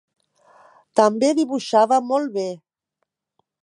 També dibuixava molt bé.